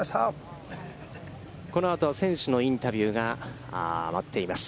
このあと選手のインタビューが待っています。